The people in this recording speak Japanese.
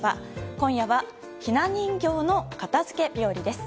今夜はひな人形の片づけ日和です。